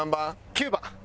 ９番。